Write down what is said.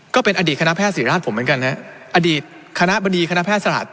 ก็เป็นอดีตคณะแพทย์ศรีราชผมเหมือนกันฮะอดีตคณะบดีคณะแพทยศาสตร์